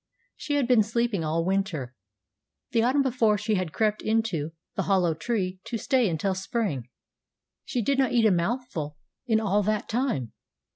She had been sleeping all winter. The autumn before she had crept into the hollow tree to stay until spring. She did not eat a mouthful in all that time.